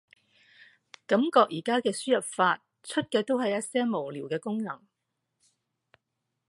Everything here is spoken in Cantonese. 感覺而家嘅輸入法，出嘅都係一些無聊嘅功能